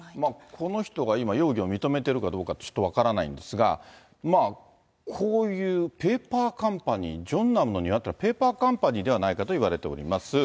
この人が今、容疑を認めているかどうかちょっと分からないんですが、こういうペーパーカンパニー、ソンナムの庭っていうのは、ペーパーカンパニーではないかといわれています。